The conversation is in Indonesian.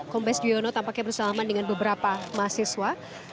kombes dwi yono tampaknya bersalaman dengan beberapa mahasiswa